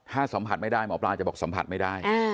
ถ้าสัมผัสไม่ได้หมอปลาจะบอกสัมผัสไม่ได้